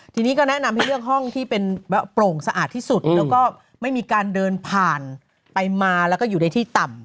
ทีนี้ก็แนะนำให้เลือกห้องที่เป็นแบบโปร่งสะอาดที่สุดแล้วก็ไม่มีการเดินผ่านไปมาแล้วก็อยู่ในที่ต่ำ